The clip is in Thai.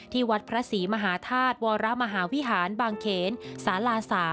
วัดพระศรีมหาธาตุวรมหาวิหารบางเขนศาลา๓